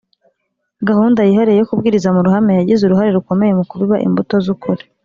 Gahunda yihariye yo kubwiriza mu ruhame yagize uruhare rukomeye mu kubiba imbuto z ukuri